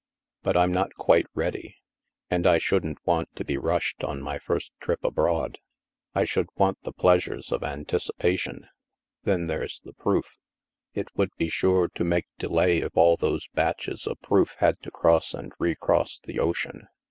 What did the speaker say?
But I'm not quite ready, and I shouldn't want to be rushed on my first trip abroad. I should want the pleasures of anticipa te HAVEN 283 tion. Then there's the proof. It would be sure to make delay if all those batches of proof had to cross and re cross the ocean.